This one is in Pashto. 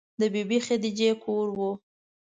د بې بي خدیجې کور و.